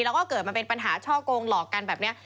แล้วก็เกิดมาเป็นปัญหาช่อกงหลอกกันแบบนี้